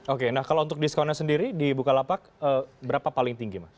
oke nah kalau untuk diskonnya sendiri di bukalapak berapa paling tinggi mas